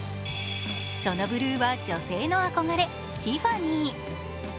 そのブルーは女性の憧れティファニー。